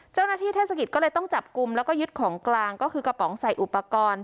เจ้าหน้าที่เทศกิจก็เลยต้องจับกลุ่มแล้วก็ยึดของกลางก็คือกระป๋องใส่อุปกรณ์